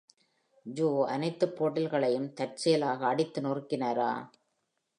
Joe அனைத்து பாட்டில்களையும் தற்செயலாக அடித்து நொறுக்கினாரா?